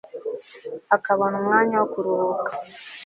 akabona umwanya wo kuruhuka